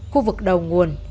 khu vực đầu nguồn